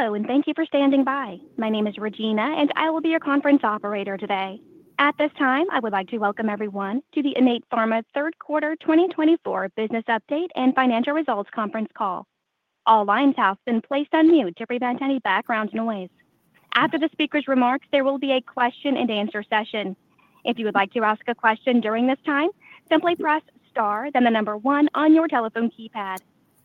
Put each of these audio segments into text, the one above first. Hello, and thank you for standing by. My name is Regina, and I will be your conference operator today. At this time, I would like to welcome everyone to the Innate Pharma's third quarter 2024 business update and financial results conference call. All lines have been placed on mute to prevent any background noise. After the speaker's remarks, there will be a question-and-answer session. If you would like to ask a question during this time, simply press star, then the number one on your telephone keypad.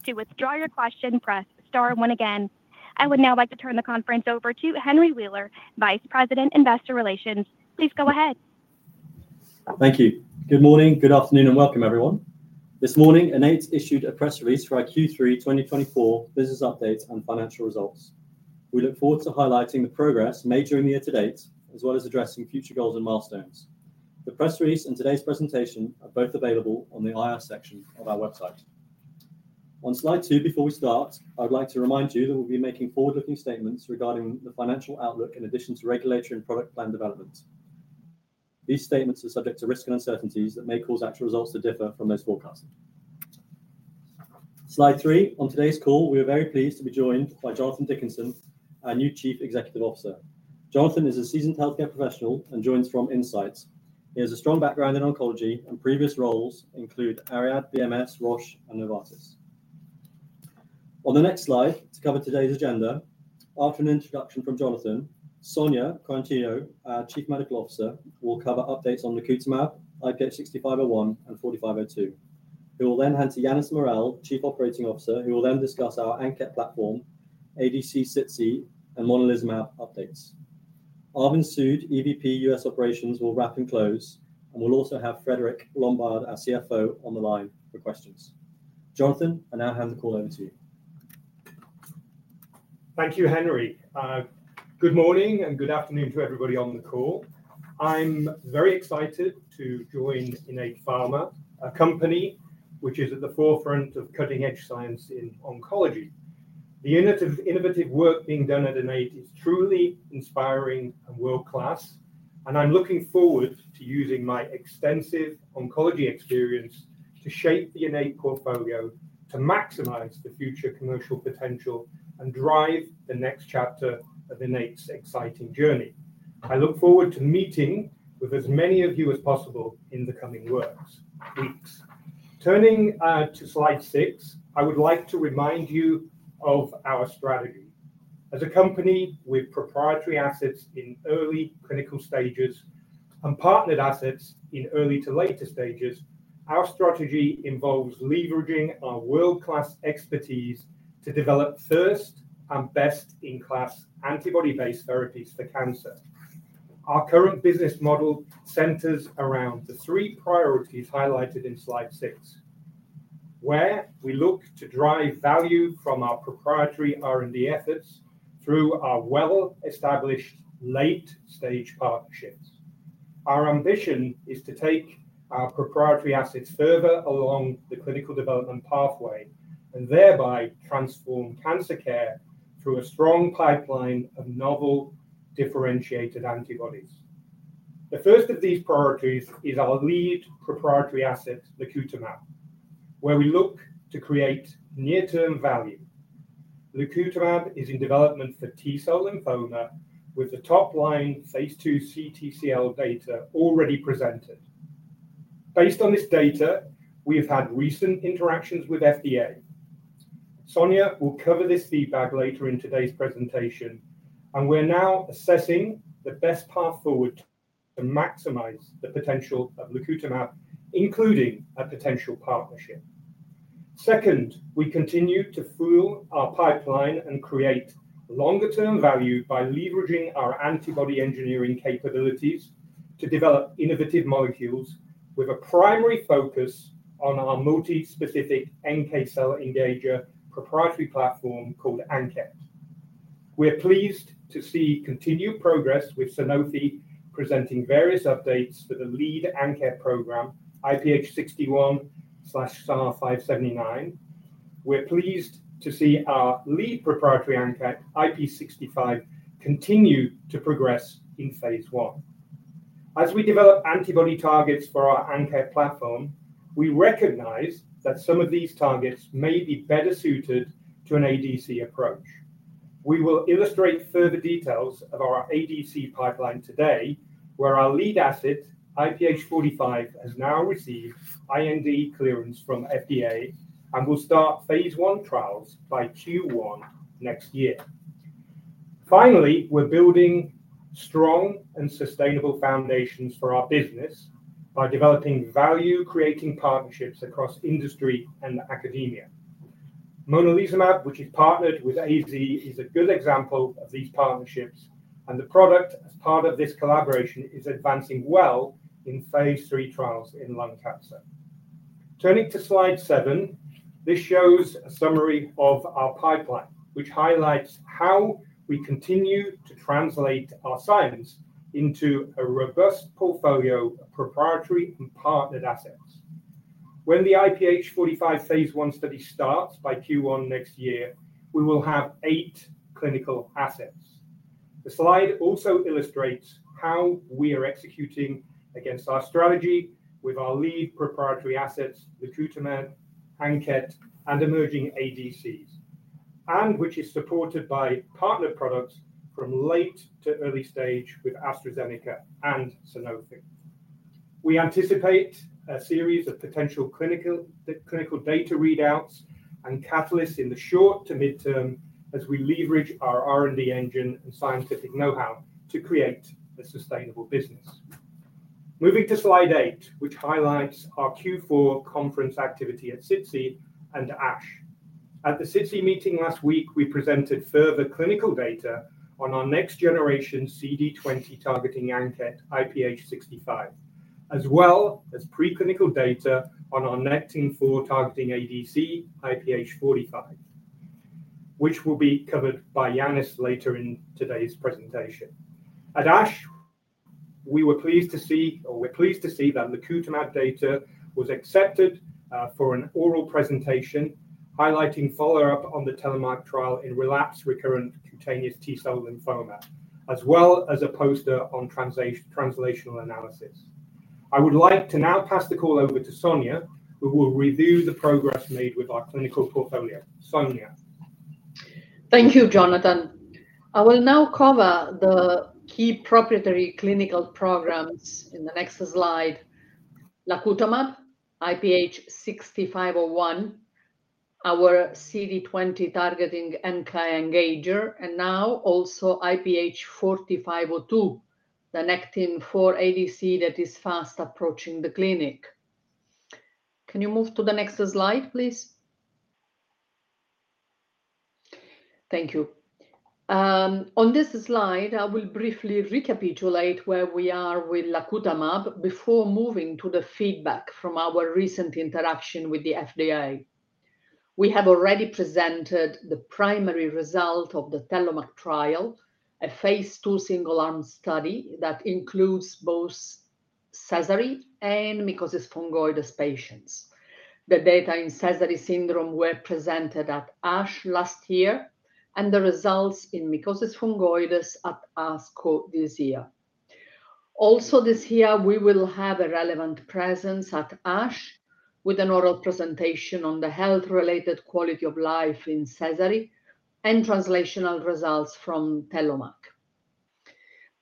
To withdraw your question, press star one again. I would now like to turn the conference over to Henry Wheeler, Vice President, Investor Relations. Please go ahead. Thank you. Good morning, good afternoon, and welcome, everyone. This morning, Innate issued a press release for our Q3 2024 business update and financial results. We look forward to highlighting the progress made during the year to date, as well as addressing future goals and milestones. The press release and today's presentation are both available on the IR section of our website. On slide two, before we start, I would like to remind you that we'll be making forward-looking statements regarding the financial outlook in addition to regulatory and product plan development. These statements are subject to risk and uncertainties that may cause actual results to differ from those forecasted. Slide three. On today's call, we are very pleased to be joined by Jonathan Dickinson, our new Chief Executive Officer. Jonathan is a seasoned healthcare professional and joins from Incyte. He has a strong background in oncology, and previous roles include ARIAD, BMS, Roche, and Novartis. On the next slide, to cover today's agenda, after an introduction from Jonathan, Sonia Quaratino, our Chief Medical Officer, will cover updates on lacutamab, IPH6501, and IPH4502. We will then hand to Yannis Morel, Chief Operating Officer, who will then discuss our ANKET platform, ADC, SITC, and monalizumab updates. Arvind Sood, EVP U.S. Operations, will wrap and close, and we'll also have Frédéric Lombard, our CFO, on the line for questions. Jonathan, I now hand the call over to you. Thank you, Henry. Good morning and good afternoon to everybody on the call. I'm very excited to join Innate Pharma, a company which is at the forefront of cutting-edge science in oncology. The innovative work being done at Innate is truly inspiring and world-class, and I'm looking forward to using my extensive oncology experience to shape the Innate portfolio to maximize the future commercial potential and drive the next chapter of Innate's exciting journey. I look forward to meeting with as many of you as possible in the coming weeks. Turning to slide six, I would like to remind you of our strategy. As a company with proprietary assets in early clinical stages and partnered assets in early to later stages, our strategy involves leveraging our world-class expertise to develop first and best-in-class antibody-based therapies for cancer. Our current business model centers around the three priorities highlighted in slide six, where we look to drive value from our proprietary R&D efforts through our well-established late-stage partnerships. Our ambition is to take our proprietary assets further along the clinical development pathway and thereby transform cancer care through a strong pipeline of novel differentiated antibodies. The first of these priorities is our lead proprietary asset, lacutamab, where we look to create near-term value. lacutamab is in development for T-cell lymphoma with the top-line phase II CTCL data already presented. Based on this data, we have had recent interactions with FDA. Sonia will cover this feedback later in today's presentation, and we're now assessing the best path forward to maximize the potential of lacutamab, including a potential partnership. Second, we continue to fuel our pipeline and create longer-term value by leveraging our antibody engineering capabilities to develop innovative molecules with a primary focus on our multi-specific NK cell engager proprietary platform called ANKET. We're pleased to see continued progress with Sanofi presenting various updates for the lead ANKET program, IPH6101/SAR579. We're pleased to see our lead proprietary ANKET, IPH6501, continue to progress in phase I. As we develop antibody targets for our ANKET platform, we recognize that some of these targets may be better suited to an ADC approach. We will illustrate further details of our ADC pipeline today, where our lead asset, IPH4502, has now received IND clearance from FDA and will start phase I trials by Q1 next year. Finally, we're building strong and sustainable foundations for our business by developing value-creating partnerships across industry and academia. Monalizumab, which is partnered with AZ, is a good example of these partnerships, and the product as part of this collaboration is advancing well in phase III trials in lung cancer. Turning to slide seven, this shows a summary of our pipeline, which highlights how we continue to translate our science into a robust portfolio of proprietary and partnered assets. When the IPH4502 phase I study starts by Q1 next year, we will have eight clinical assets. The slide also illustrates how we are executing against our strategy with our lead proprietary assets, lacutamab, ANKET, and emerging ADCs, and which is supported by partner products from late to early stage with AstraZeneca and Sanofi. We anticipate a series of potential clinical data readouts and catalysts in the short to midterm as we leverage our R&D engine and scientific know-how to create a sustainable business. Moving to slide eight, which highlights our Q4 conference activity at SITC and ASH. At the SITC meeting last week, we presented further clinical data on our next generation CD20 targeting ANKET, IPH6501, as well as preclinical data on our Nectin-4 targeting ADC, IPH4502, which will be covered by Yannis later in today's presentation. At ASH, we're pleased to see that lacutamab data was accepted for an oral presentation highlighting follow-up on the TELLOMAK trial in relapsed recurrent cutaneous T-cell lymphoma, as well as a poster on translational analysis. I would like to now pass the call over to Sonia, who will review the progress made with our clinical portfolio. Sonia. Thank you, Jonathan. I will now cover the key proprietary clinical programs in the next slide: lacutamab, IPH6501, our CD20 targeting NK engager, and now also IPH4502, the Nectin-4 ADC that is fast approaching the clinic. Can you move to the next slide, please? Thank you. On this slide, I will briefly recapitulate where we are with lacutamab before moving to the feedback from our recent interaction with the FDA. We have already presented the primary result of the TELLOMAK trial, a phase II single-arm study that includes both Sézary and Mycosis Fungoides patients. The data in Sézary syndrome were presented at ASH last year, and the results in Mycosis Fungoides at ASCO this year. Also, this year, we will have a relevant presence at ASH with an oral presentation on the health-related quality of life in Sézary and translational results from TELLOMAK.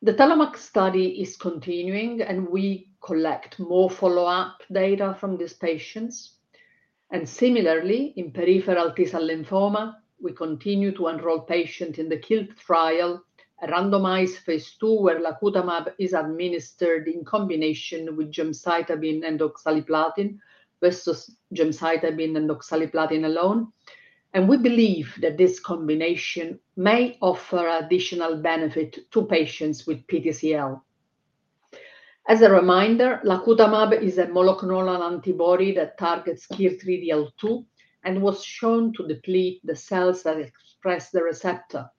The TELLOMAK study is continuing, and we collect more follow-up data from these patients. Similarly, in peripheral T-cell lymphoma, we continue to enroll patients in the KILT trial, a randomized phase II where lacutamab is administered in combination with gemcitabine and oxaliplatin versus gemcitabine and oxaliplatin alone. We believe that this combination may offer additional benefit to patients with PTCL. As a reminder, lacutamab is a monoclonal antibody that targets KIR3DL2 and was shown to deplete the cells that express the receptor,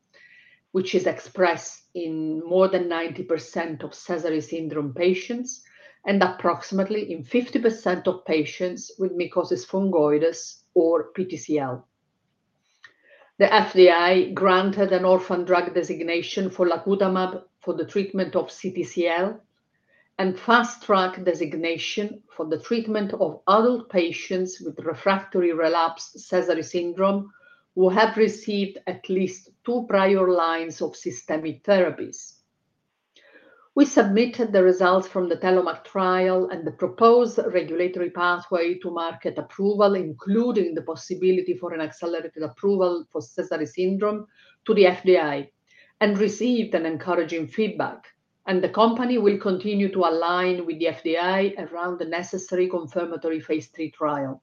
which is expressed in more than 90% of Sézary syndrome patients and approximately in 50% of patients with Mycosis Fungoides or PTCL. The FDA granted an orphan drug designation for lacutamab for the treatment of CTCL and fast track designation for the treatment of adult patients with refractory relapsed Sézary syndrome who have received at least two prior lines of systemic therapies. We submitted the results from the TELLOMAK trial and the proposed regulatory pathway to market approval, including the possibility for an accelerated approval for Sézary syndrome, to the FDA and received encouraging feedback. And the company will continue to align with the FDA around the necessary confirmatory phase III trial.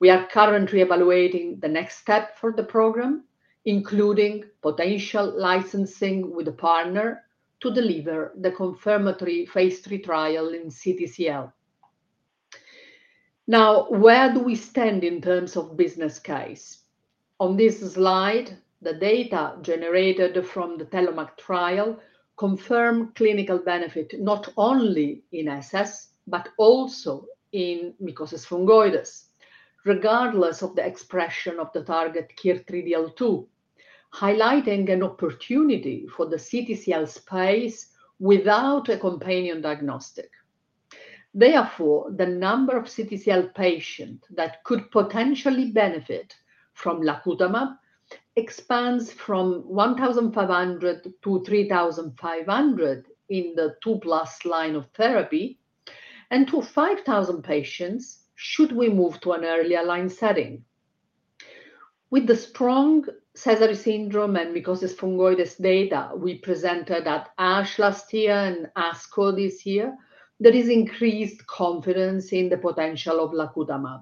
We are currently evaluating the next step for the program, including potential licensing with a partner to deliver the confirmatory phase III trial in CTCL. Now, where do we stand in terms of business case? On this slide, the data generated from the TELLOMAK trial confirm clinical benefit not only in SS but also in Mycosis Fungoides, regardless of the expression of the target KIR3DL2, highlighting an opportunity for the CTCL space without a companion diagnostic. Therefore, the number of CTCL patients that could potentially benefit from lacutamab expands from 1,500 to 3,500 in the two-plus line of therapy and to 5,000 patients should we move to an earlier line setting. With the strong Sézary syndrome and Mycosis Fungoides data we presented at ASH last year and ASCO this year, there is increased confidence in the potential of lacutamab.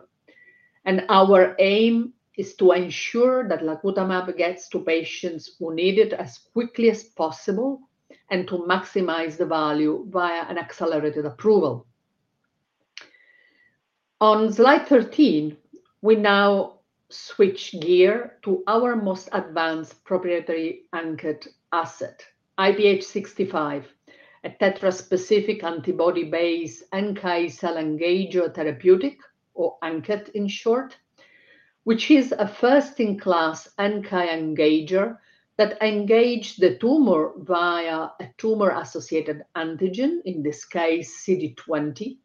And our aim is to ensure that lacutamab gets to patients who need it as quickly as possible and to maximize the value via an accelerated approval. On slide 13, we now switch gear to our most advanced proprietary ANKET asset, IPH6501, a tetraspecific antibody-based NK cell engager therapeutic, or ANKET in short, which is a first-in-class NK engager that engages the tumor via a tumor-associated antigen, in this case, CD20,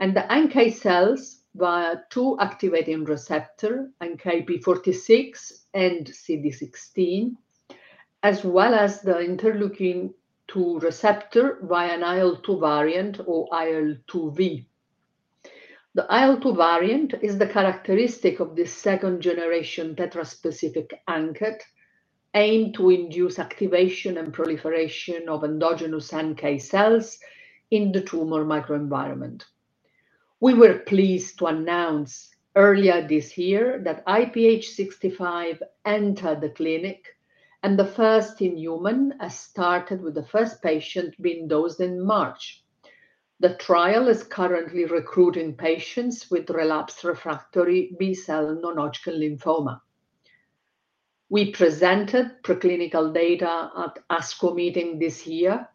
and the NK cells via two activating receptors, NKP46 and CD16, as well as the interleukin-2 receptor via an IL-2 variant or IL-2V. The IL-2 variant is the characteristic of this second-generation tetraspecific ANKET aimed to induce activation and proliferation of endogenous NK cells in the tumor microenvironment. We were pleased to announce earlier this year that IPH6501 entered the clinic and the first in human has started with the first patient being dosed in March. The trial is currently recruiting patients with relapsed refractory B-cell non-Hodgkin lymphoma. We presented preclinical data at ASCO meeting this year,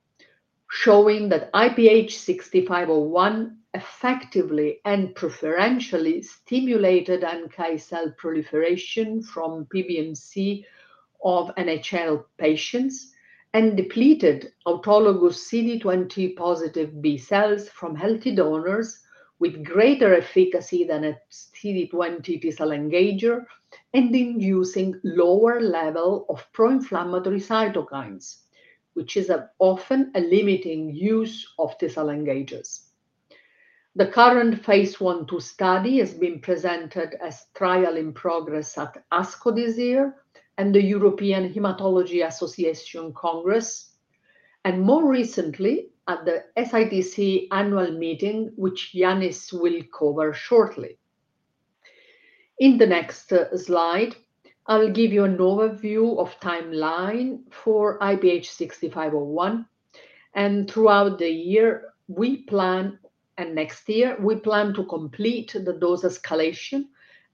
showing that IPH6501 effectively and preferentially stimulated NK cell proliferation from PBMC of NHL patients and depleted autologous CD20 positive B cells from healthy donors with greater efficacy than a CD20 T-cell engager and inducing lower level of pro-inflammatory cytokines, which is often a limiting use of T-cell engagers. The current phase I/2 study has been presented as trial in progress at ASCO this year and the European Hematology Association Congress, and more recently at the SITC annual meeting, which Yannis will cover shortly. In the next slide, I'll give you an overview of timeline for IPH6501. Throughout the year, we plan, and next year, we plan to complete the dose escalation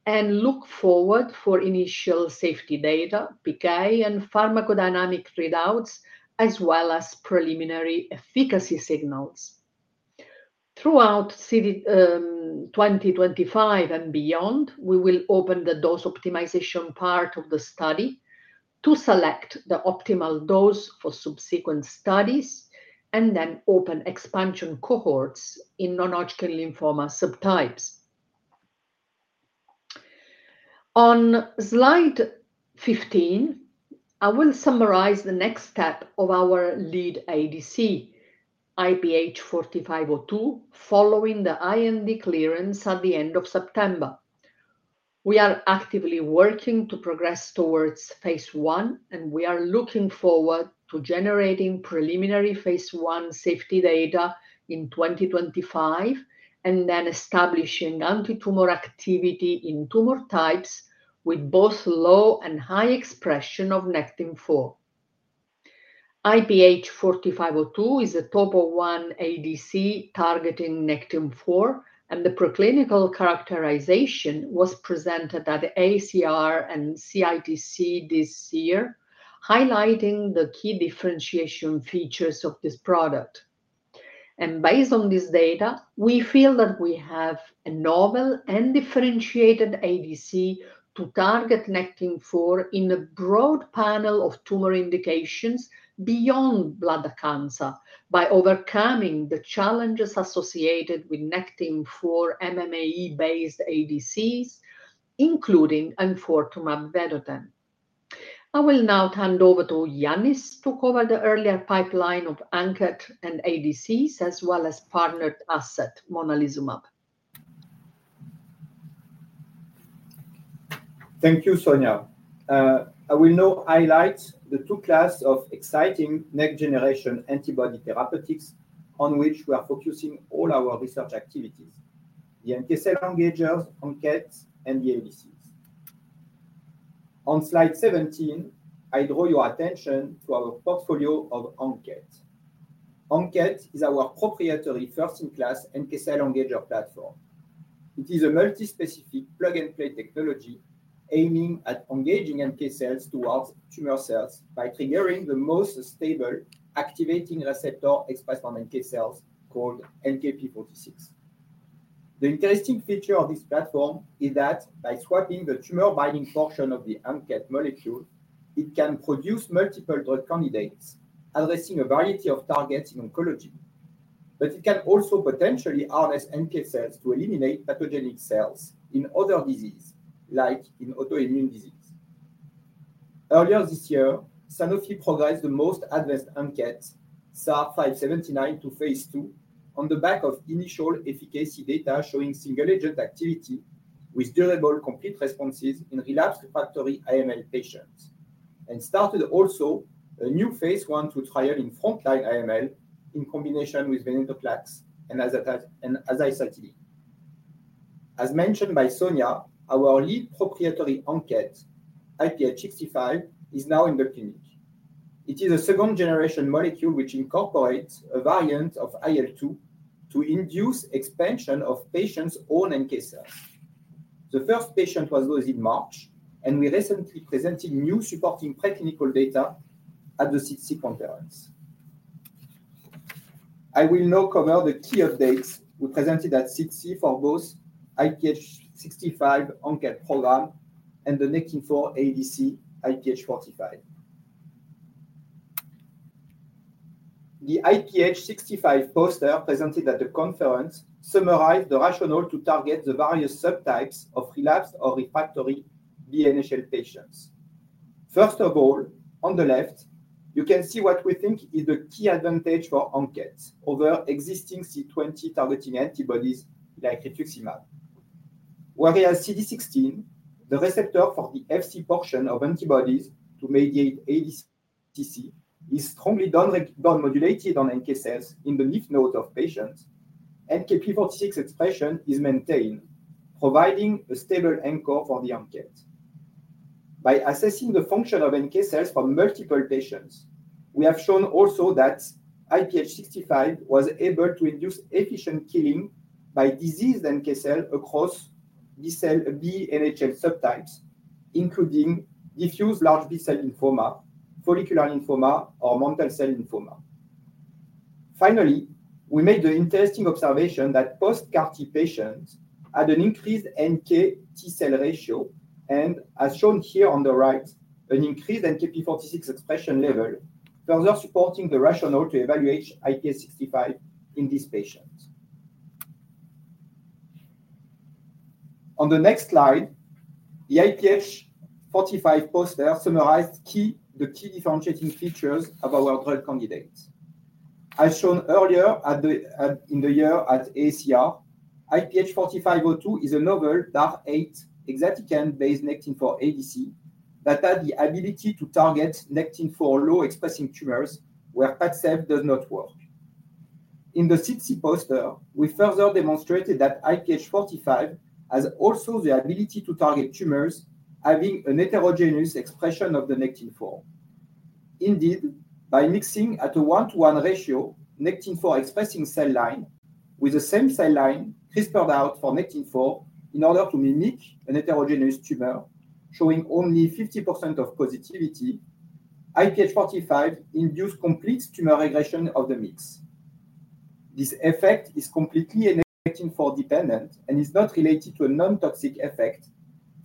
and look forward for initial safety data, PK, and pharmacodynamic readouts, as well as preliminary efficacy signals. Throughout 2025 and beyond, we will open the dose optimization part of the study to select the optimal dose for subsequent studies and then open expansion cohorts in non-Hodgkin lymphoma subtypes. On slide 15, I will summarize the next step of our lead ADC, IPH4502, following the IND clearance at the end of September. We are actively working to progress towards phase I, and we are looking forward to generating preliminary phase I safety data in 2025 and then establishing anti-tumor activity in tumor types with both low and high expression of Nectin-4. IPH4502 is a Topo I ADC targeting Nectin-4, and the preclinical characterization was presented at AACR and SITC this year, highlighting the key differentiation features of this product. And based on this data, we feel that we have a novel and differentiated ADC to target Nectin-4 in a broad panel of tumor indications beyond blood cancer by overcoming the challenges associated with Nectin-4 MMAE-based ADCs, including enfortumab vedotin. I will now turn it over to Yannis to cover the earlier pipeline of ANKET and ADCs, as well as partnered asset, monalizumab. Thank you, Sonia. I will now highlight the two classes of exciting next-generation antibody therapeutics on which we are focusing all our research activities: the NK cell engagers, ANKET, and the ADCs. On slide 17, I draw your attention to our portfolio of ANKET. ANKET is our proprietary first-in-class NK cell engager platform. It is a multispecific plug-and-play technology aiming at engaging NK cells towards tumor cells by triggering the most stable activating receptor expressed from NK cells called NKP46. The interesting feature of this platform is that by swapping the tumor binding portion of the ANKET molecule, it can produce multiple drug candidates addressing a variety of targets in oncology. But it can also potentially harness NK cells to eliminate pathogenic cells in other diseases, like in autoimmune disease. Earlier this year, Sanofi progressed the most advanced ANKET, SAR 579 to phase II, on the back of initial efficacy data showing single-agent activity with durable complete responses in relapsed refractory AML patients, and started also a new phase I/II trial in frontline AML in combination with venetoclax and azacitidine. As mentioned by Sonia, our lead proprietary ANKET, IPH65, is now in the clinic. It is a second-generation molecule which incorporates a variant of IL-2 to induce expansion of patients' own NK cells. The first patient was dosed in March, and we recently presented new supporting preclinical data at the SITC conference. I will now cover the key updates we presented at SITC for both IPH65 ANKET program and the Nectin-4 ADC IPH45. The IPH65 poster presented at the conference summarized the rationale to target the various subtypes of relapsed or refractory BNHL patients. First of all, on the left, you can see what we think is the key advantage for ANKET over existing CD20 targeting antibodies like rituximab. Whereas CD16, the receptor for the Fc portion of antibodies to mediate ADCC, is strongly downmodulated on NK cells in the leaf node of patients, NKP46 expression is maintained, providing a stable anchor for the ANKET. By assessing the function of NK cells for multiple patients, we have shown also that IPH6501 was able to induce efficient killing by diseased NK cells across BNHL subtypes, including diffuse large B-cell lymphoma, follicular lymphoma, or mantle cell lymphoma. Finally, we made the interesting observation that post-CAR T patients had an increased NK T-cell ratio and, as shown here on the right, an increased NKP46 expression level, further supporting the rationale to evaluate IPH65 in these patients. On the next slide, the IPH4502 poster summarized the key differentiating features of our drug candidates. As shown earlier in the year at AACR, IPH4502 is a novel DAR8 exatecan-based Nectin-4 ADC that had the ability to target Nectin-4 low-expressing tumors where Padcev does not work. In the SITC poster, we further demonstrated that IPH4502 has also the ability to target tumors having a heterogeneous expression of the Nectin-4. Indeed, by mixing at a one-to-one ratio Nectin-4 expressing cell line with the same cell line CRISPRed out for Nectin-4 in order to mimic a heterogeneous tumor showing only 50% of positivity, IPH4502 induced complete tumor regression of the mix. This effect is completely Nectin-4 dependent and is not related to a non-toxic effect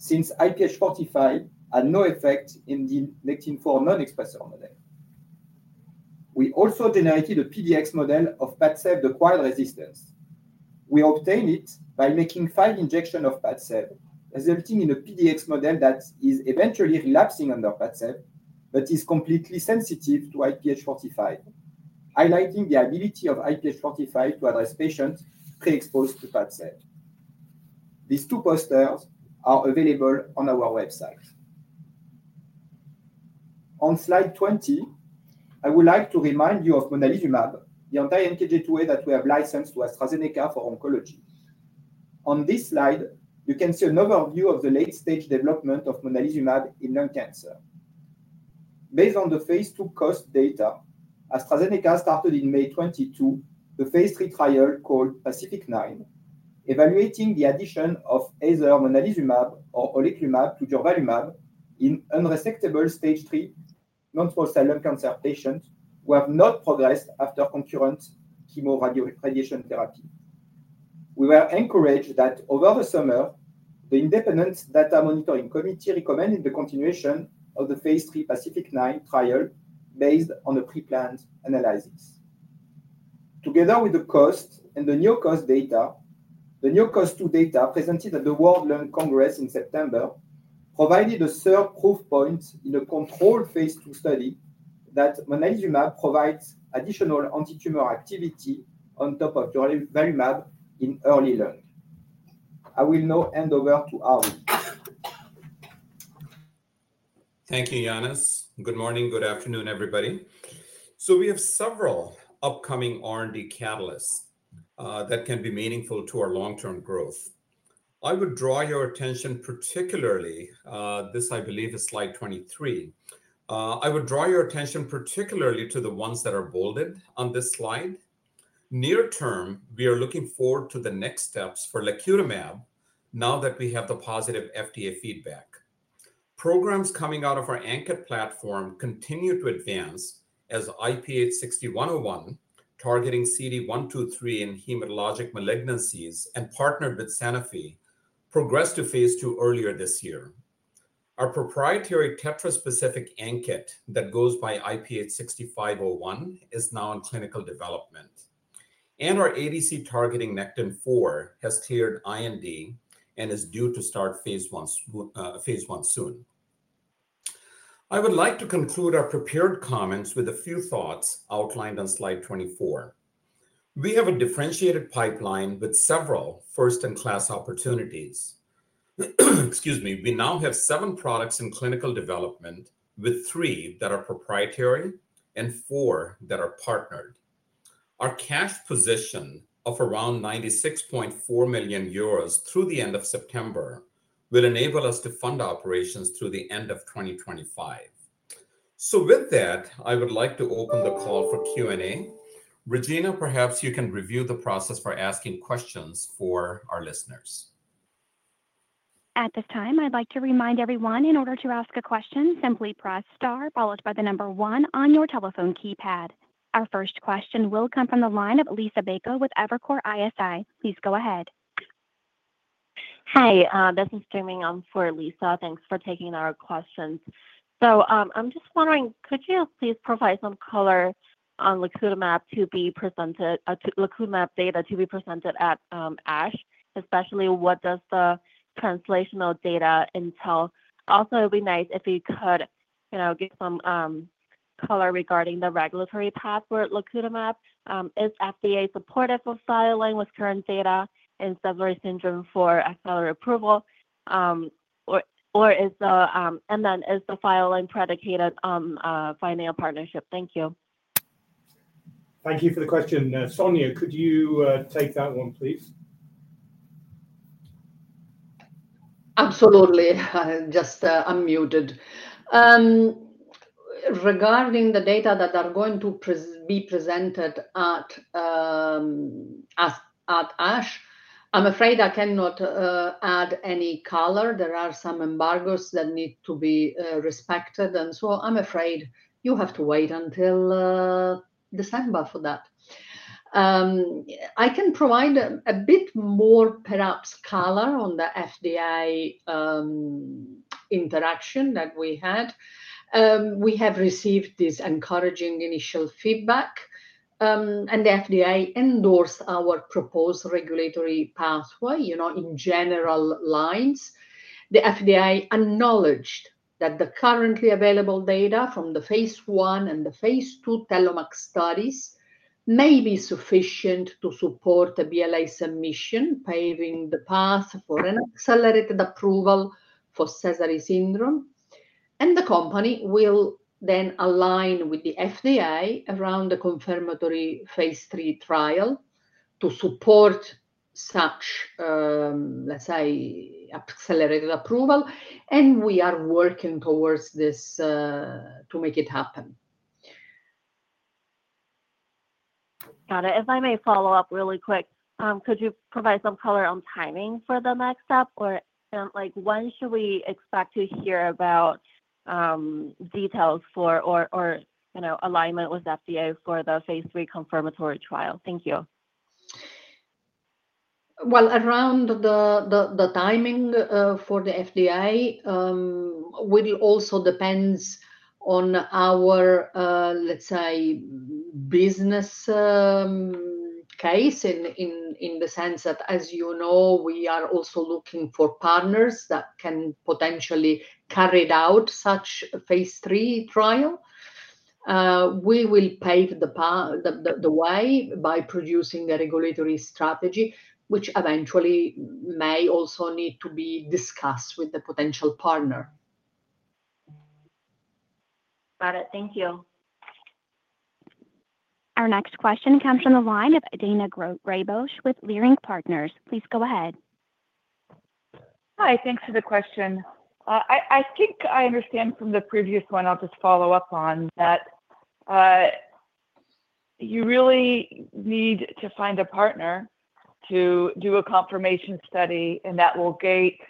since IPH4502 had no effect in the Nectin-4 non-expressor model. We also generated a PDX model of Padcev-acquired resistance. We obtained it by making five injections of Padcev, resulting in a PDX model that is eventually relapsing under Padcev but is completely sensitive to IPH4502, highlighting the ability of IPH4502 to address patients pre-exposed to Padcev. These two posters are available on our website. On slide 20, I would like to remind you of monalizumab, the anti-NKG2A that we have licensed to AstraZeneca for oncology. On this slide, you can see an overview of the late-stage development of monalizumab in lung cancer. Based on the phase II COAST data, AstraZeneca started in May 2022 the phase III trial called PACIFIC-9, evaluating the addition of either monalizumab or oleclumab to durvalumab in unresectable stage three non-small cell lung cancer patients who have not progressed after concurrent chemoradiation therapy. We were encouraged that over the summer, the independent data monitoring committee recommended the continuation of the phase III PACIFIC-9 trial based on the pre-planned analysis. Together with the COAST and the new COAST data, the new COAST-2 data presented at the World Conference on Lung Cancer in September provided a third proof point in a controlled phase II study that monalizumab provides additional anti-tumor activity on top of durvalumab in early lung. I will now hand over to Arvind. Thank you, Yannis. Good morning, good afternoon, everybody, so we have several upcoming R&D catalysts that can be meaningful to our long-term growth. I would draw your attention particularly, this I believe is slide 23. I would draw your attention particularly to the ones that are bolded on this slide. Near term, we are looking forward to the next steps for lacutamab now that we have the positive FDA feedback. Programs coming out of our ANKET platform continue to advance as IPH6101 targeting CD123 in hematologic malignancies and partnered with Sanofi progressed to phase II earlier this year. Our proprietary tetraspecific ANKET that goes by IPH6501 is now in clinical development, and our ADC targeting Nectin-4 has cleared IND and is due to start phase I soon. I would like to conclude our prepared comments with a few thoughts outlined on slide 24. We have a differentiated pipeline with several first-in-class opportunities. Excuse me, we now have seven products in clinical development with three that are proprietary and four that are partnered. Our cash position of around 96.4 million euros through the end of September will enable us to fund operations through the end of 2025. So with that, I would like to open the call for Q&A. Regina, perhaps you can review the process for asking questions for our listeners. At this time, I'd like to remind everyone in order to ask a question, simply press star followed by the number one on your telephone keypad. Our first question will come from the line of Liisa Bayko with Evercore ISI. Please go ahead. Hi, this is Jamie Nguyen for Lisa. Thanks for taking our questions. So I'm just wondering, could you please provide some color on lacutamab data to be presented at ASH? Especially, what does the translational data entail? Also, it would be nice if you could give some color regarding the regulatory path for lacutamab. Is FDA supportive of filing with current data in Sézary syndrome for accelerated approval? Or is the, and then is the filing predicated on financial partnership? Thank you. Thank you for the question. Sonia, could you take that one, please? Absolutely. Just unmuted. Regarding the data that are going to be presented at ASH, I'm afraid I cannot add any color. There are some embargoes that need to be respected, and so I'm afraid you have to wait until December for that. I can provide a bit more perhaps color on the FDA interaction that we had. We have received this encouraging initial feedback, and the FDA endorsed our proposed regulatory pathway in general lines. The FDA acknowledged that the currently available data from the phase I and the phase II TELLOMAK studies may be sufficient to support a BLA submission paving the path for an accelerated approval for Sézary syndrome, and the company will then align with the FDA around the confirmatory phase III trial to support such, let's say, accelerated approval. We are working towards this to make it happen. Got it. If I may follow up really quick, could you provide some color on timing for the next step? Or when should we expect to hear about details for, or alignment with FDA for the phase III confirmatory trial? Thank you. Around the timing for the FDA will also depend on our, let's say, business case in the sense that, as you know, we are also looking for partners that can potentially carry out such a phase III trial. We will pave the way by producing a regulatory strategy, which eventually may also need to be discussed with the potential partner. Got it. Thank you. Our next question comes from the line of Daina Graybosch with Leerink Partners. Please go ahead. Hi, thanks for the question. I think I understand from the previous one. I'll just follow up on that. You really need to find a partner to do a confirmation study, and that will gate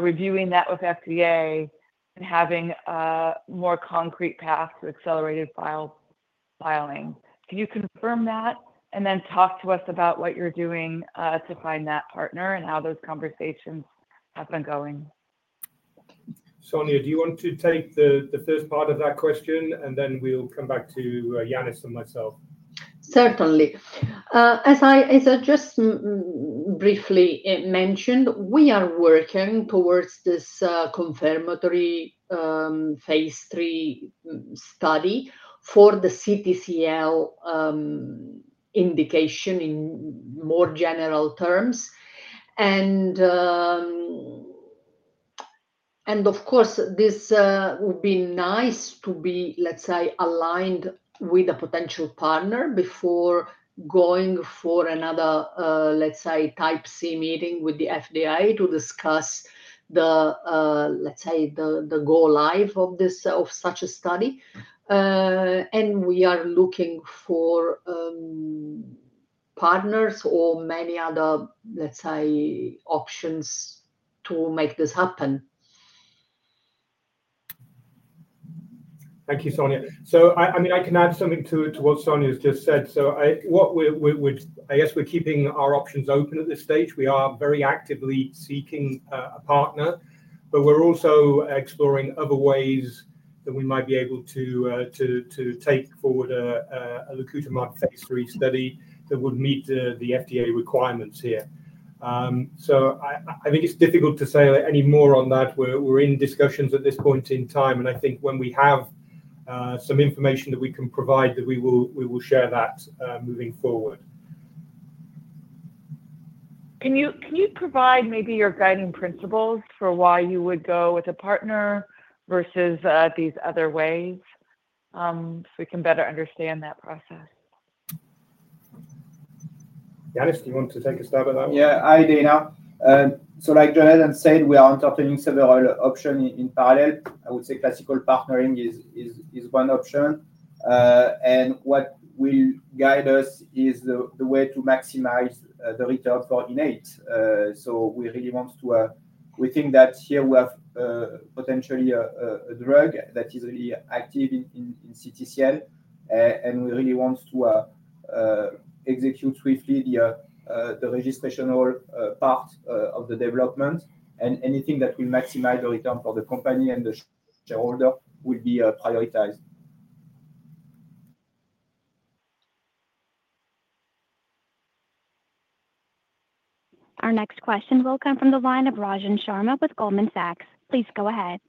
reviewing that with FDA and having a more concrete path to accelerated filing. Can you confirm that and then talk to us about what you're doing to find that partner and how those conversations have been going? Sonia, do you want to take the first part of that question, and then we'll come back to Yannis and myself? Certainly. As I just briefly mentioned, we are working towards this confirmatory phase III study for the CTCL indication in more general terms, and of course, this would be nice to be, let's say, aligned with a potential partner before going for another, let's say, type C meeting with the FDA to discuss, let's say, the go-live of such a study, and we are looking for partners or many other, let's say, options to make this happen. Thank you, Sonia. So I mean, I can add something to what Sonia has just said. So I guess we're keeping our options open at this stage. We are very actively seeking a partner, but we're also exploring other ways that we might be able to take forward a lacutamab phase III study that would meet the FDA requirements here. So I think it's difficult to say any more on that. We're in discussions at this point in time, and I think when we have some information that we can provide, we will share that moving forward. Can you provide maybe your guiding principles for why you would go with a partner versus these other ways so we can better understand that process? Yannis, do you want to take a stab at that one? Yeah, hi, Daina. So like Jonathan said, we are entertaining several options in parallel. I would say classical partnering is one option. And what will guide us is the way to maximize the return for Innate. So we really want to. We think that here we have potentially a drug that is really active in CTCL, and we really want to execute swiftly the registration part of the development. And anything that will maximize the return for the company and the shareholder will be prioritized. Our next question will come from the line of Rajan Sharma with Goldman Sachs. Please go ahead.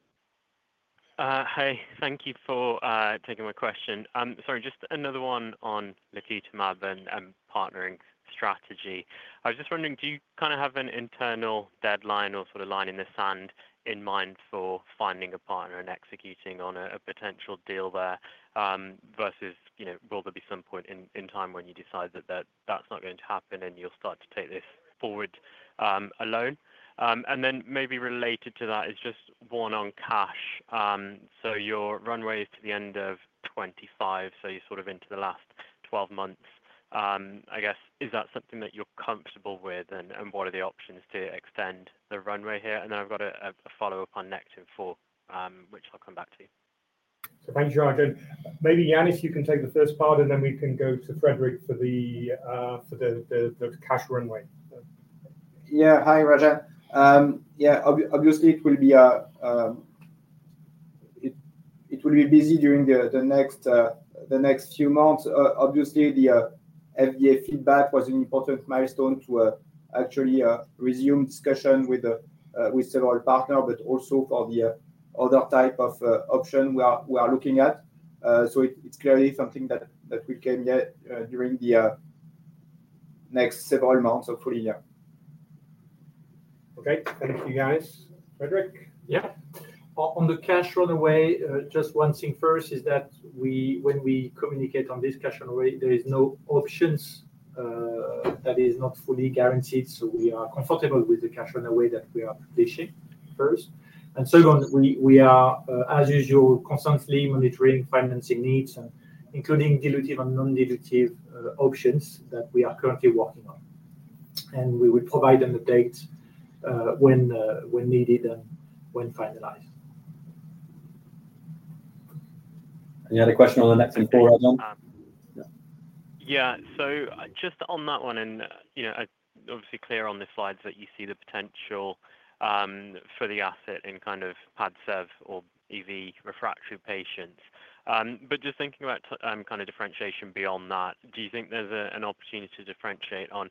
Hi. Thank you for taking my question. Sorry, just another one on lacutamab and partnering strategy. I was just wondering, do you kind of have an internal deadline or sort of line in the sand in mind for finding a partner and executing on a potential deal there versus will there be some point in time when you decide that that's not going to happen and you'll start to take this forward alone? And then maybe related to that is just one on cash. So your runway is to the end of 2025, so you're sort of into the last 12 months. I guess, is that something that you're comfortable with, and what are the options to extend the runway here? And then I've got a follow-up on Nectin-4, which I'll come back to. Thanks, Rajan. Maybe Yannis, you can take the first part, and then we can go to Frédéric for the cash runway. Yeah. Hi, Rajan. Yeah, obviously, it will be busy during the next few months. Obviously, the FDA feedback was an important milestone to actually resume discussion with several partners, but also for the other type of option we are looking at. So it's clearly something that will come during the next several months, hopefully. Okay. Thank you, guys. Frédéric? Yeah. On the cash runway, just one thing first is that when we communicate on this cash runway, there are no options that are not fully guaranteed. So we are comfortable with the cash runway that we are publishing first. And second, we are, as usual, constantly monitoring financing needs, including dilutive and non-dilutive options that we are currently working on. And we will provide an update when needed and when finalized. Any other question on the Nectin-4, Rajan? Yeah. So just on that one, and obviously clear on the slides that you see the potential for the asset in kind of Padcev or EV refractory patients. But just thinking about kind of differentiation beyond that, do you think there's an opportunity to differentiate on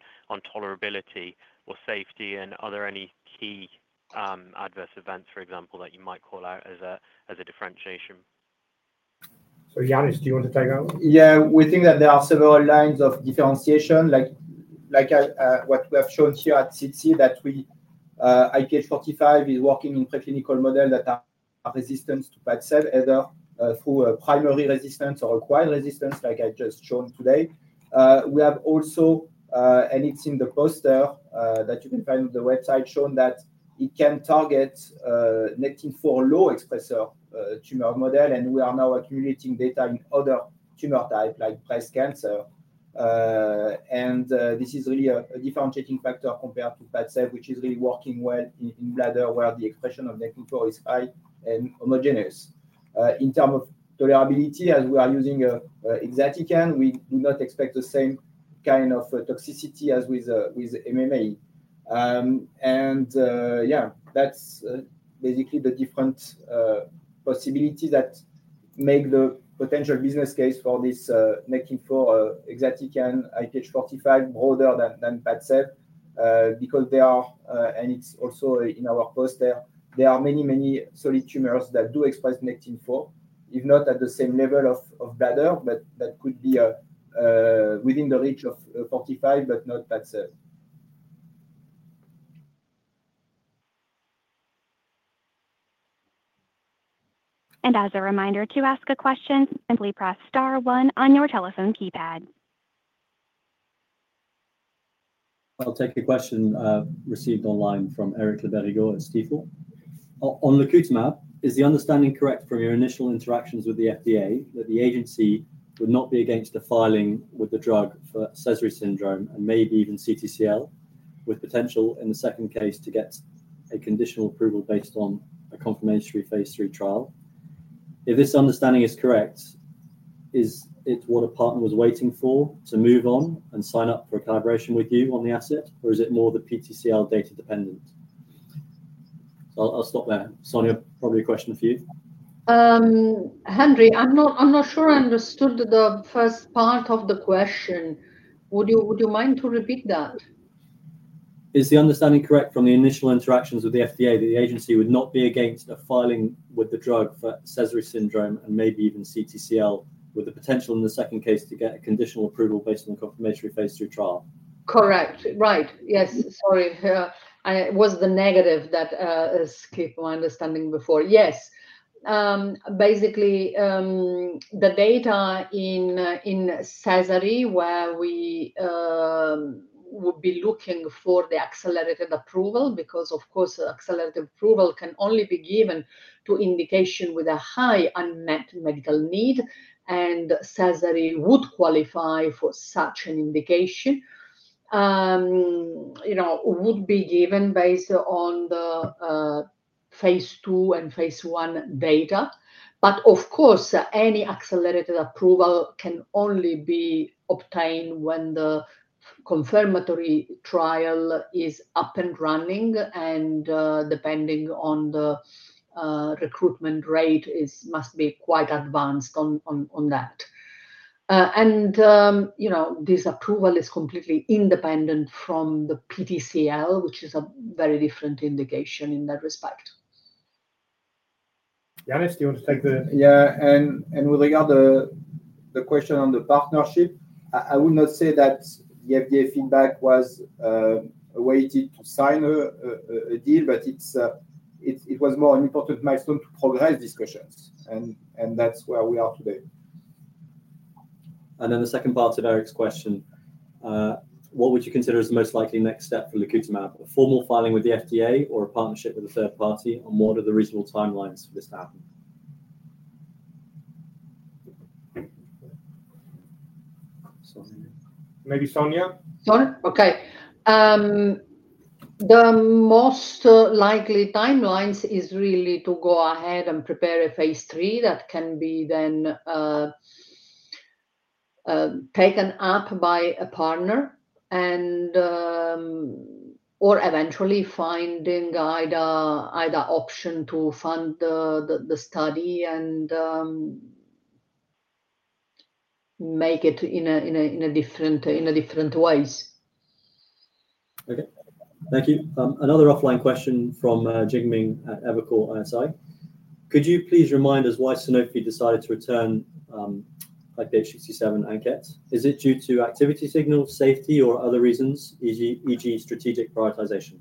tolerability or safety, and are there any key adverse events, for example, that you might call out as a differentiation? So Yannis, do you want to take that one? Yeah. We think that there are several lines of differentiation, like what we have shown here at CTCL, that IPH4502 is working in preclinical models that are resistant to Padcev either through primary resistance or acquired resistance, like I just showed today. We have also, and it's in the poster that you can find on the website, shown that it can target Nectin-4 low expressor tumor model, and we are now accumulating data in other tumor types like breast cancer. And this is really a differentiating factor compared to Padcev, which is really working well in bladder where the expression of Nectin-4 is high and homogeneous. In terms of tolerability, as we are using exatecan, we do not expect the same kind of toxicity as with MMAE. Yeah, that's basically the different possibilities that make the potential business case for this Nectin-4 exatecan IPH4502 broader than Padcev because there are, and it's also in our poster, there are many, many solid tumors that do express Nectin-4, if not at the same level of bladder, but that could be within the reach of 45, but not Padcev. As a reminder to ask a question, simply press star one on your telephone keypad. I'll take a question received online from Eric Le Berrigaud at Stifel. On lacutamab, is the understanding correct from your initial interactions with the FDA that the agency would not be against a filing with the drug for Sézary syndrome and maybe even CTCL, with potential in the second case to get a conditional approval based on a confirmatory phase III trial? If this understanding is correct, is it what a partner was waiting for to move on and sign up for a collaboration with you on the asset, or is it more the PTCL data dependent? So I'll stop there. Sonia, probably a question for you. Henry, I'm not sure I understood the first part of the question. Would you mind to repeat that? Is the understanding correct from the initial interactions with the FDA that the agency would not be against a filing with the drug for Sézary syndrome and maybe even CTCL with the potential in the second case to get a conditional approval based on a confirmatory phase III trial? Correct. Right. Yes. Sorry. It was the negative that escaped my understanding before. Yes. Basically, the data in Sézary where we would be looking for the accelerated approval because, of course, accelerated approval can only be given to indication with a high unmet medical need, and Sézary would qualify for such an indication, would be given based on the phase II and phase I data. But of course, any accelerated approval can only be obtained when the confirmatory trial is up and running, and depending on the recruitment rate must be quite advanced on that. And this approval is completely independent from the PTCL, which is a very different indication in that respect. Yannis, do you want to take the? Yeah. And with the question on the partnership, I would not say that the FDA feedback was awaited to sign a deal, but it was more an important milestone to progress discussions. And that's where we are today. And then the second part of Eric's question, what would you consider as the most likely next step for lacutamab? A formal filing with the FDA or a partnership with a third party? And what are the reasonable timelines for this to happen? Maybe Sonia? Okay. The most likely timelines is really to go ahead and prepare a phase III that can be then taken up by a partner or eventually finding either option to fund the study and make it in a different ways. Okay. Thank you. Another offline question from Jingming at Evercore ISI. Could you please remind us why Sanofi decided to return IPH67 and ANKET? Is it due to activity signals, safety, or other reasons, e.g., strategic prioritization?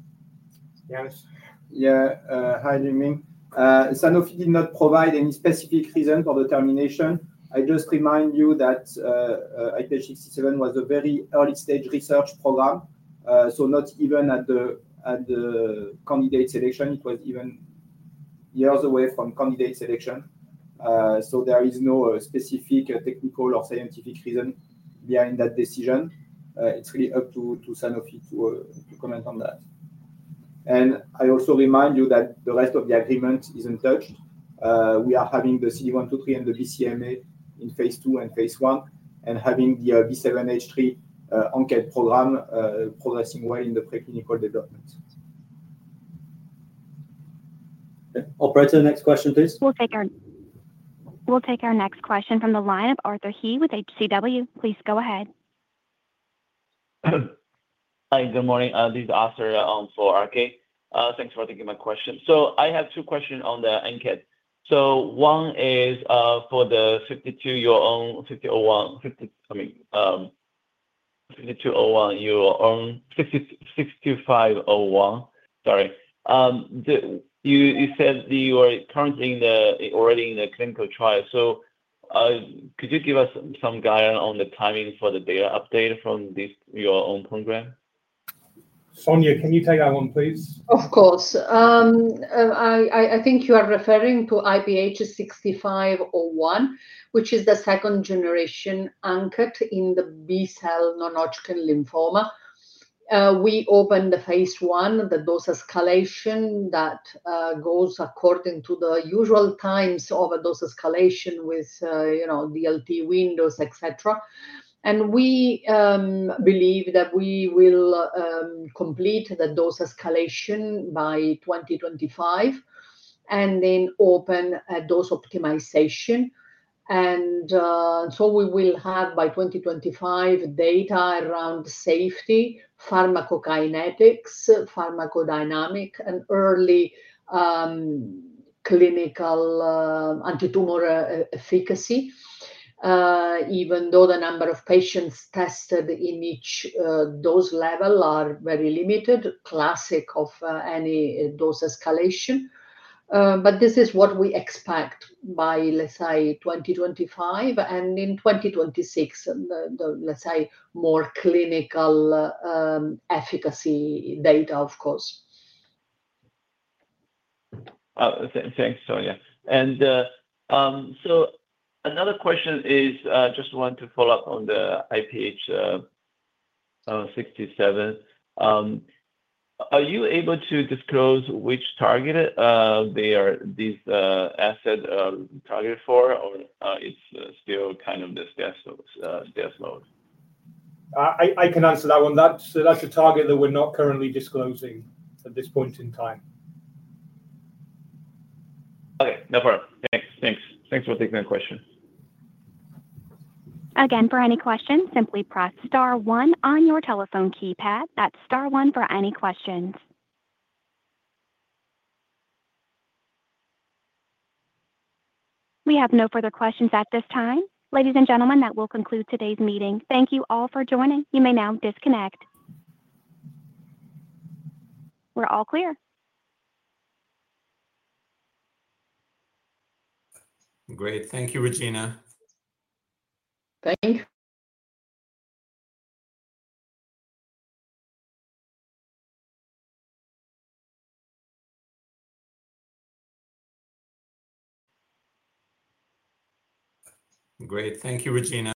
Yannis? Yeah. Hi, Jingming. Sanofi did not provide any specific reason for the termination. I just remind you that IPH67 was a very early-stage research program, so not even at the candidate selection. It was even years away from candidate selection. So there is no specific technical or scientific reason behind that decision. It's really up to Sanofi to comment on that. And I also remind you that the rest of the agreement is untouched. We are having the CD123 and the BCMA in phase II and phase I and having the B7H3 on ANKET program progressing well in the preclinical development. Operator, next question, please. We'll take our next question from the line of Arthur He with HCW. Please go ahead. Hi, good morning. This is Arthur He for HCW. Thanks for taking my question. So I have two questions on the ANKET. So one is for IPH6501, your own IPH6501. Sorry. You said you are currently already in the clinical trial. So could you give us some guidance on the timing for the data update from your own program? Sonia, can you take that one, please? Of course. I think you are referring to IPH6501, which is the second-generation ANKET in the B-cell non-Hodgkin lymphoma. We opened the phase I, the dose escalation that goes according to the usual times of a dose escalation with DLT windows, etc. And we believe that we will complete the dose escalation by 2025 and then open a dose optimization. And so we will have by 2025 data around safety, pharmacokinetics, pharmacodynamics, and early clinical antitumor efficacy, even though the number of patients tested in each dose level are very limited, classic of any dose escalation. But this is what we expect by, let's say, 2025 and in 2026, let's say, more clinical efficacy data, of course. Thanks, Sonia. And so another question is just want to follow up on the IPH67. Are you able to disclose which target these assets are targeted for, or it's still kind of the status quo? I can answer that one. That's a target that we're not currently disclosing at this point in time. Okay. No problem. Thanks. Thanks for taking the question. Again, for any questions, simply press star one on your telephone keypad. That's star one for any questions. We have no further questions at this time. Ladies and gentlemen, that will conclude today's meeting. Thank you all for joining. You may now disconnect. We're all clear. Great. Thank you, Regina. Thank you. Great. Thank you, Regina.